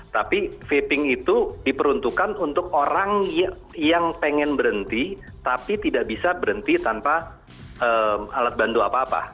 tapi vaping itu diperuntukkan untuk orang yang pengen berhenti tapi tidak bisa berhenti tanpa alat bantu apa apa